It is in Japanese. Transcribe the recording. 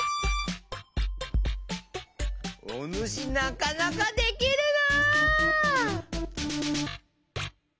おぬしなかなかできるな！